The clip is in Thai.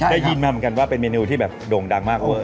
ได้ยินมาเหมือนกันว่าเป็นเมนูที่แบบโด่งดังมาก